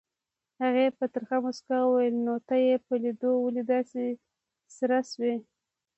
هغې په ترخه موسکا وویل نو ته یې په لیدو ولې داسې سره شوې؟